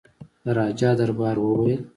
د راجا دربار وویل.